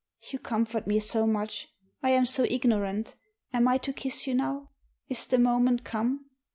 "You comfort me so much! I am so ignorant. Am I to kiss you now? Is the moment come?"